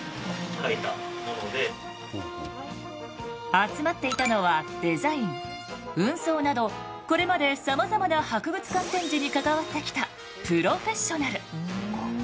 集まっていたのはデザイン運送などこれまでさまざまな博物館展示に関わってきたプロフェッショナル。